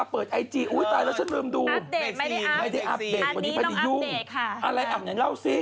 อะไรอัพเดทเล่าสิ